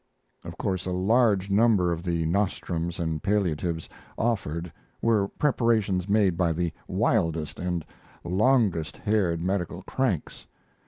Of course a large number of the nostrums and palliatives offered were preparations made by the wildest and longest haired medical cranks.